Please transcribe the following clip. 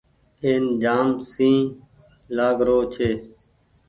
اين جآم سئي لآگ رو ڇي۔